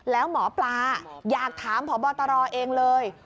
แล้วหมอปลาอยากถามพบตรเองเลย